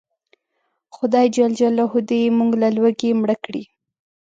خدای ج دې موږ له لوږې مړه کړي